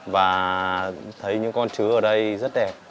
và thấy những con chứa ở đây rất đẹp